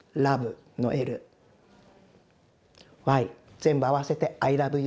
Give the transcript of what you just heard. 全部合わせて「ＩＬＯＶＥＹＯＵ」。